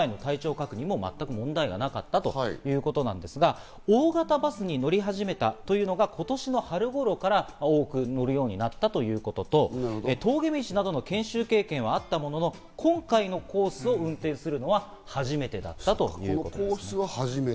勤務態度はまじめで勤務前の体調確認にも全く問題はなかったということですが、大型バスに乗り始めたというのが今年の春頃から多く乗るようになったということと、峠道などの研修経験はあったものの、今回のコースを運転するのは初めてだったということです。